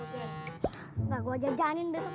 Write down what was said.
enggak gue jajanin besok